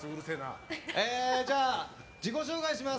じゃあ、自己紹介します。